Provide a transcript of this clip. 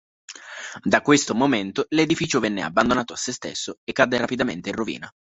Da questo momento l'edificio venne abbandonato a sé stesso e cadde rapidamente in rovina.